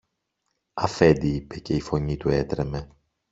Αφέντη, είπε και η φωνή του έτρεμε